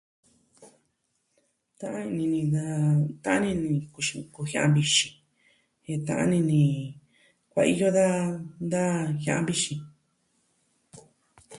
Ta'an ini ni da ta'an ini ni kuxi, kujiaa vixin. Jen ta'an ini ni kuaiyo da, da jiaa vixin.